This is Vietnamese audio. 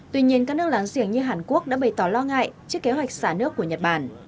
tuy nhiên các nước láng giềng như hàn quốc đã bày tỏ lo ngại trước kế hoạch xả nước của nhật bản